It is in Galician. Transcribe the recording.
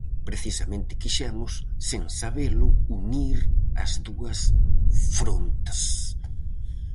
Precisamente quixemos, sen sabelo, unir as dúas frontes.